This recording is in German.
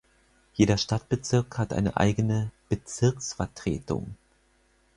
Jeder Stadtbezirk hat eine eigene "Bezirksvertretung".